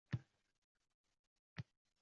Uyiga yetar yetmas ukalariga koʻrganini aytdi.